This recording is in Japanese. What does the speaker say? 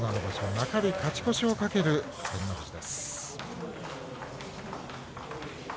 中日勝ち越しを懸ける照ノ富士です。